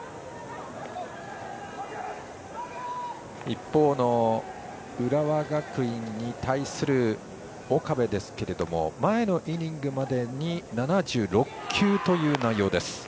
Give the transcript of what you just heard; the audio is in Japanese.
一方の浦和学院に対する岡部ですけれども前のイニングまでに７６球という内容です。